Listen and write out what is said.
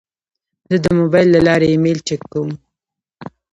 زه د موبایل له لارې ایمیل چک کوم.